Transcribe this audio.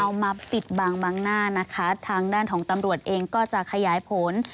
มาปิดบางบางหน้านะคะทางด้านของตำรวจเองก็จะขยายผล